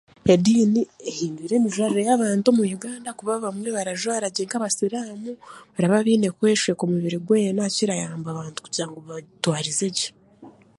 Ediini ehindwire emijwaarire y'abantu omu Uganda kuba abamwe barajwaara gye nk'abasiraamu baraba beine kweshweka omubiri gwena kirayamba abantu kugira ngu batwarize gye.